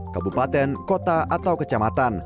kabupaten kota atau kecamatan